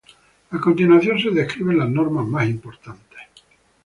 A continuación se describen las normas más importantes.